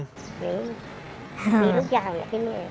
มีทุกอย่างยังใดที่นี่